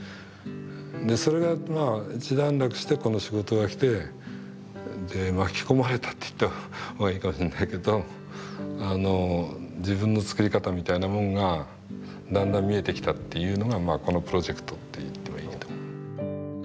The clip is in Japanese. でそれがまあ一段落してこの仕事が来て巻き込まれたって言ったら悪いかもしれないけど自分の作り方みたいなもんがだんだん見えてきたっていうのがまあこのプロジェクトって言ってもいいと思う。